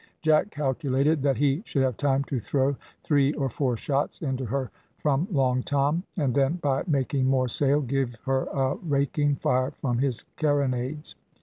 Jack calculated that he should have time to throw three or four shots into her from Long Tom, and then by making more sail, give her a raking fire from his carronades.